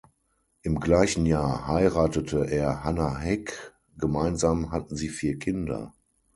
Im gleichen Jahr heiratete er Hanna Heck; gemeinsam hatten sie vier Kinder.